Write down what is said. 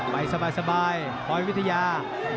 ไปสบายคอยวิทยา